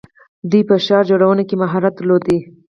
دوی په ښار جوړونه کې مهارت درلود.